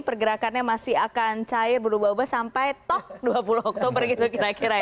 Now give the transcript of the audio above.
pergerakannya masih akan cair berubah ubah sampai toh dua puluh oktober gitu kira kira ya